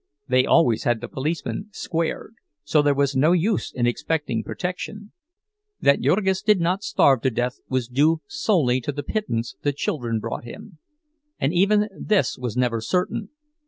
They always had the policeman "squared," and so there was no use in expecting protection. That Jurgis did not starve to death was due solely to the pittance the children brought him. And even this was never certain.